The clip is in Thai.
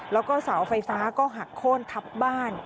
แล้วก็เสาไฟฟ้าก็หักโค้นทับบ้าน